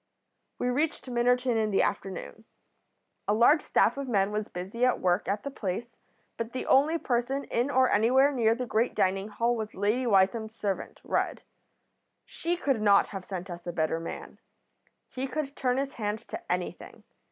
"We reached Minnerton in the afternoon. A large staff of men was busy at work at the place, but the only person in or anywhere near the great dining hall was Lady Wytham's servant, Rudd. She could not have sent us a better man. He could turn his hand to anything.